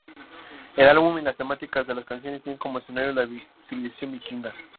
El álbum y las temáticas de las canciones tienen como escenario la civilización vikinga.